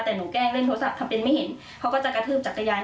แต่หนูแกล้งเล่นโทรศัพท์ถ้าเป็นไม่เห็นเขาก็จะกระทืบจักรยาน